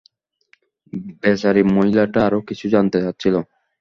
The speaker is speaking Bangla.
বেচারি মহিলাটা আরো কিছু জানতে চাচ্ছিল।